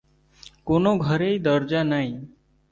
‘কোন ঘরেই দরজা নাই।